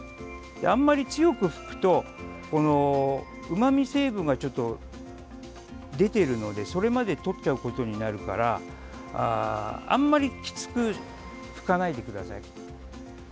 あんまり強く拭くとこのうまみ成分がちょっと出てるので、それまで取っちゃうことになるからあんまりきつく拭かないでください。